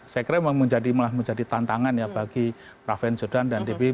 saya kira malah menjadi tantangan ya bagi praven zhao yunle dan debbie